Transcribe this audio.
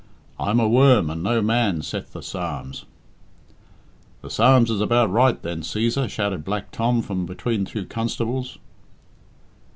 I am a worm and no man, saith the Psalms." "The Psalms is about right then, Cæsar," shouted Black Tom from between two constables.